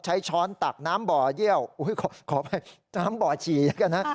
ใช้ช้อนตักน้ำบ่อเยี่ยวอุ้ยขอไปน้ำบ่อฉี่กันนะ